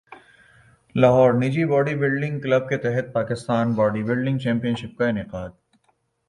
لاہور نجی body building club کے تحت Pakistan body building championship کا انعقاد